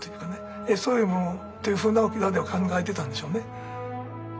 そういうものというふうな沖縄では考えてたんでしょうね。